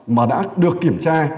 mà đã được kiểm tra